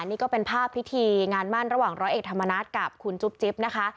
นี่ก็เป็นภาพพิธีงานมั่นระหว่างร้อยเอกธรรมนัฐกับคุณจุ๊บจิ๊บนะคะ